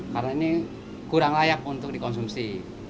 karena ini kurang layak untuk dikonsumsi